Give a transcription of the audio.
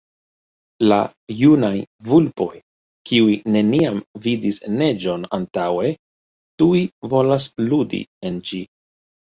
La junaj vulpoj, kiuj neniam vidis neĝon antaŭe, tuj volas ludi en ĝi.